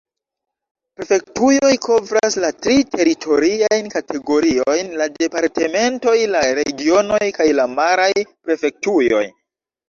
Prefektujoj kovras la tri teritoriajn kategoriojn: la departementoj, la regionoj kaj la maraj prefektujoj.